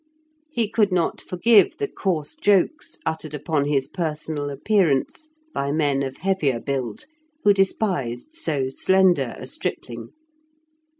He could not forgive the coarse jokes uttered upon his personal appearance by men of heavier build, who despised so slender a stripling.